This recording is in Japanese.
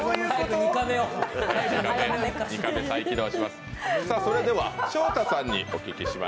２カメ、再起動します。